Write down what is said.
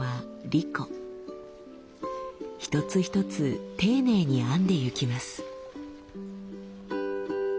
一つ一つ丁寧に編んでいきます。